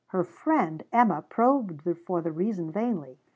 Her friend Emma probed for the reason vainly.